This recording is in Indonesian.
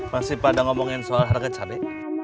masih pada ngomongin soal harga cari